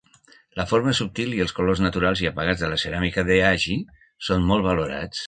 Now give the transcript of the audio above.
La forma subtil i els colores naturals i apagats de la ceràmica de Hagi són molt valorats.